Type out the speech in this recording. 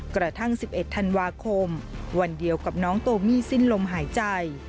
กระทั่ง๑๑ธันวาคมวันเดียวกับน้องโตมี่สิ้นลมหายใจ